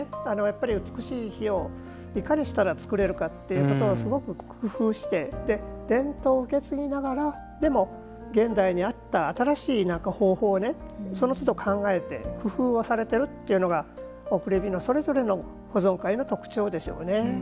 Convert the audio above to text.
美しい火を、いかにしたら作れるかっていうことをすごく工夫して伝統を受け継ぎながらでも現代に合った新しい方法をそのつど、考えて工夫をされてるっていうのが送り火のそれぞれの保存会の特徴でしょうね。